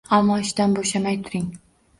Ammo ishdan bo‘shamay turing.